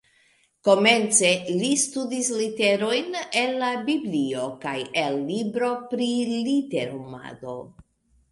Komence, li studis literojn el la biblio kaj el libro pri literumado